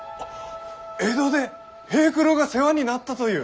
江戸で平九郎が世話になったという。